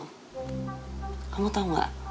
kamu tau nggak